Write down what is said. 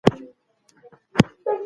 دا باغ به ډېر مېوه ولري.